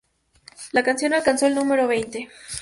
La canción alcanzó el número veinte.